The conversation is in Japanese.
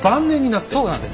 そうなんです。